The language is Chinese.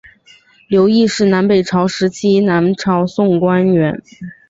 刘邕是南北朝时期南朝宋官员。